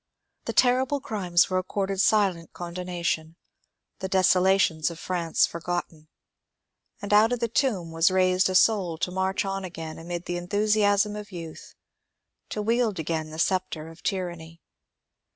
The terrible crimes were accorded silent condonation, the desolations of France forgotten, and out of the tomb was raised a soul to march on again amid the enthusiasm of youth, to wield again the sceptre of tyranny.